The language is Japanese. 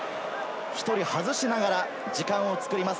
１人外しながら時間を作ります。